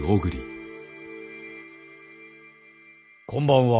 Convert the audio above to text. こんばんは。